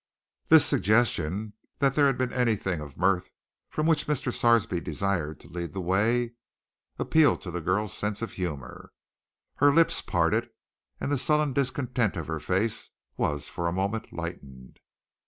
The suggestion that there had been anything of mirth from which Mr. Sarsby desired to lead the way appealed to the girl's sense of humor. Her lips parted, and the sullen discontent of her face was for a moment lightened.